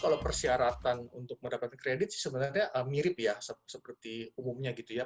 kalau persyaratan untuk mendapatkan kredit sih sebenarnya mirip ya seperti umumnya gitu ya